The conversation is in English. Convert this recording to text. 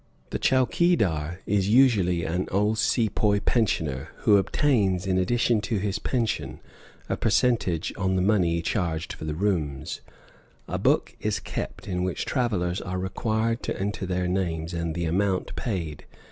The chowkeedar is usually an old Sepoy pensioner, who obtains, in addition to his pension, a percentage on the money charged for the rooms a book is kept in which travellers are required to enter their names and the amount paid.